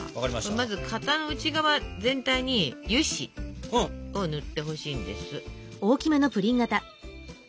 まず型の内側全体に油脂を塗ってほしいんです。